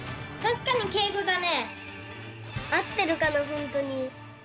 あってるかなホントに。